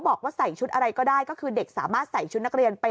บอกว่าใส่ชุดอะไรก็ได้ก็คือเด็กสามารถใส่ชุดนักเรียน